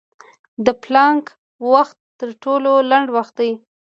د پلانک وخت تر ټولو لنډ وخت دی.